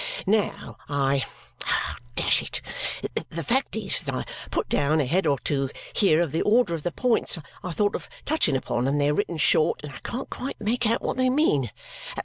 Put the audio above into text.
Now I dash it! The fact is that I put down a head or two here of the order of the points I thought of touching upon, and they're written short, and I can't quite make out what they mean.